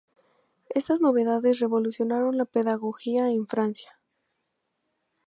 Estas novedades revolucionaron la pedagogía en Francia.